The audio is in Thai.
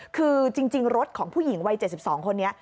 คือจริงรถของผู้หญิงวัย๗๒คนนี้